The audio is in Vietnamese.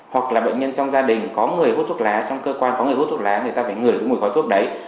hoặc là bệnh nhân trong gia đình có người hút thuốc lá trong cơ quan có người hút thuốc lá thì ta phải ngửi cái mùi khói thuốc đấy